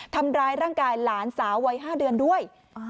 ทำร้ายร่างกายหลานสาววัย๕เดือนด้วย